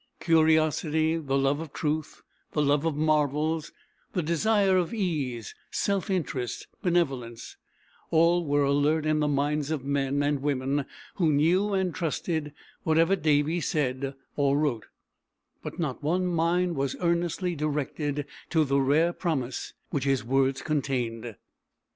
Curiosity, the love of truth, the love of marvels, the desire of ease, self interest, benevolence, all were alert in the minds of men and women who knew and trusted whatever Davy said or wrote, but not one mind was earnestly directed to the rare promise which his words contained.